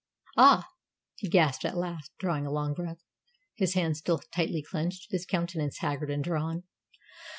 "Ah!" he gasped at last, drawing a long breath, his hands still tightly clenched, his countenance haggard and drawn.